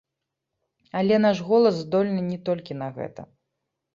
Але наш голас здольны не толькі на гэта.